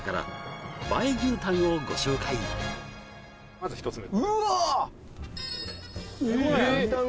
まず１つ目うわ！